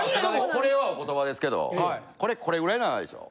これはお言葉ですけどこれこれぐらいの穴でしょ？